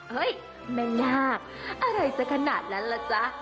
เฮ้ยแม่นาคอะไรจะขนาดนั้นล่ะจ๊ะ